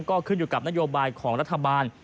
ก็ขึ้นอยู่กับนโยบายของรัฐบาล